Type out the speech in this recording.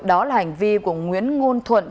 đó là hành vi của nguyễn nguôn thuận